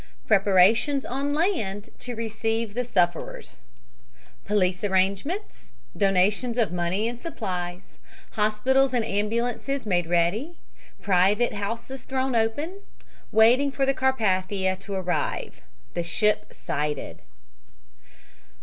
PREPARATIONS ON LAND TO RECEIVE THE SUFFERERS POLICE ARRANGEMENTS DONATIONS OF MONEY AND SUPPLIES HOSPITALS AND AMBULANCES MADE READY PRIVATE HOUSES THROWN OPEN WAITING FOR THE CARPATHIA TO ARRIVE THE SHIP SIGHTED!